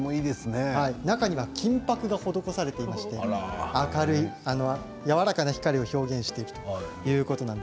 中には金ぱくが施されていましてやわらかな光を表現しています。